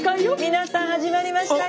皆さん始まりましたよ！